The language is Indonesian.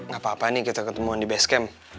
gak apa apa nih kita ketemuan di base camp